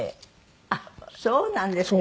あっそうなんですか。